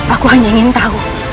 aku hanya ingin tahu